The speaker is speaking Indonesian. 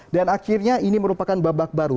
dan akhirnya ini merupakan babak baru